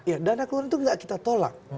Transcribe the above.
iya dana keluaran itu tidak kita tolak